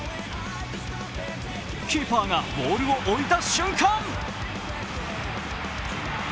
キーパーがボールを置いた瞬間